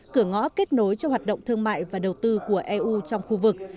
cửa ngõ kết nối cho hoạt động thương mại và đầu tư của eu trong khu vực